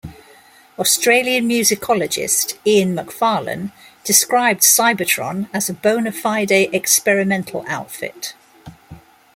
Australian musicologist, Ian McFarlane, described Cybotron as "a bona fide experimental outfit".